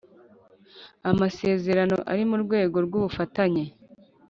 Amsezerano ari mu rwego rw ubufatanye